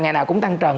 ngày nào cũng tăng trần